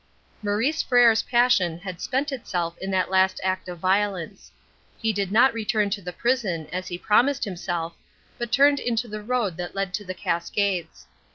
Maurice Frere's passion had spent itself in that last act of violence. He did not return to the prison, as he promised himself, but turned into the road that led to the Cascades.